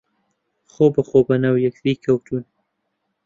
خۆبەخۆ بەناو یەکتری کەوتوون